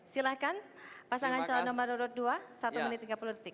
silahkan pasangan calon nomor dua satu menit tiga puluh detik